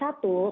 pada saat ini